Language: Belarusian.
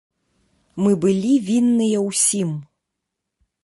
Мы былі вінныя ўсім.